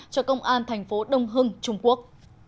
cho công an thành phố đông hưng trung quốc